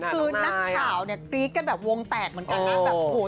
คือนักข่าวกรี๊ดกันแบบวงแตกเหมือนกัน